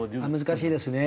難しいですね。